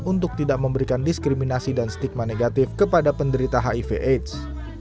untuk tidak memberikan diskriminasi dan stigma negatif kepada penderita hiv aids